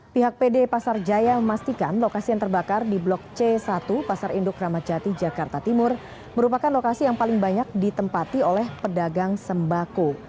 pihak pd pasar jaya memastikan lokasi yang terbakar di blok c satu pasar induk ramadjati jakarta timur merupakan lokasi yang paling banyak ditempati oleh pedagang sembako